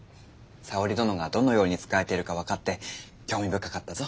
沙織殿がどのように仕えているか分かって興味深かったぞ。